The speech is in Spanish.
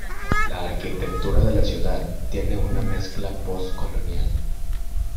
La arquitectura de la ciudad tiene una mezcla pos-colonial.